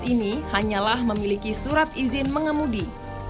ini hanyalah memiliki surat izin mengemudi